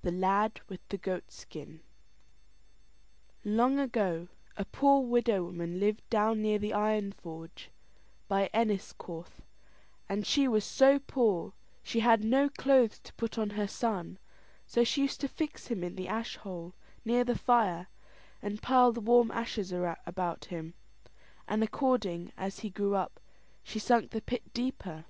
THE LAD WITH THE GOAT SKIN Long ago, a poor widow woman lived down near the iron forge, by Enniscorth, and she was so poor she had no clothes to put on her son; so she used to fix him in the ash hole, near the fire, and pile the warm ashes about him; and according as he grew up, she sunk the pit deeper.